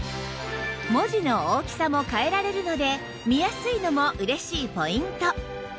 文字の大きさも変えられるので見やすいのも嬉しいポイント